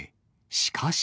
しかし。